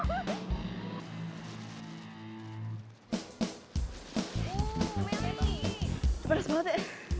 panas banget ya